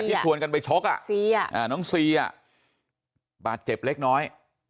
ที่ชวนกันไปชกอ่ะซีอ่ะน้องซีอ่ะบาดเจ็บเล็กน้อยอ๋อ